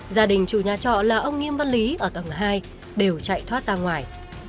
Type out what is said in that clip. gia đình chủ nhà trọ là ông nghiêm văn lý ở tầng hai đều chạy thoát ra ngoài